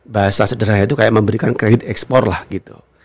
bahasa sederhana itu kayak memberikan kredit ekspor lah gitu